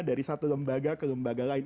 dari satu lembaga ke lembaga lain